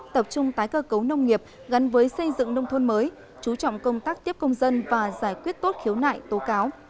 tập trung tái cơ cấu nông nghiệp gắn với xây dựng nông thôn mới chú trọng công tác tiếp công dân và giải quyết tốt khiếu nại tố cáo